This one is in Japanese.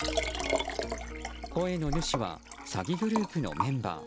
声の主は詐欺グループのメンバー。